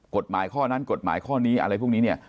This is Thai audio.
กฎหมายข้อนั้นกฎหมายข้อนี้อะไรพวกนี้เนี่ย